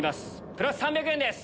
プラス３００円です